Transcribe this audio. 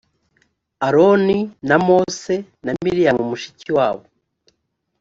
aroni na mose na miriyamu mushiki wabo